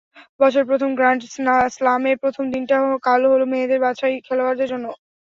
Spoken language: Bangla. বছরের প্রথম গ্র্যান্ড স্লামের প্রথম দিনটা কাল হলো মেয়েদের বাছাই খেলোয়াড়দের জন্য।